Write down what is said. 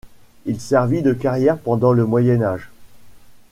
Il servit de carrière pendant le Moyen Âge.